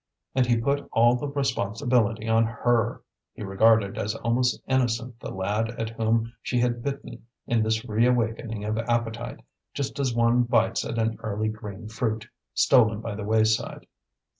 And he put all the responsibility on her, he regarded as almost innocent the lad at whom she had bitten in this reawakening of appetite, just as one bites at an early green fruit, stolen by the wayside.